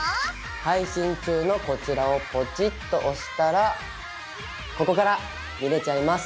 配信中のこちらをポチッと押したらここから！見れちゃいます！